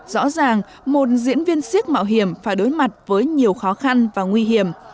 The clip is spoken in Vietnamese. rõ ràng một diễn viên siếc mạo hiểm phải đối mặt với nhiều khó khăn và nguy hiểm